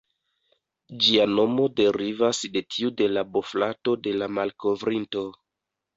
Ĝia nomo derivas de tiu de la bofrato de la malkovrinto.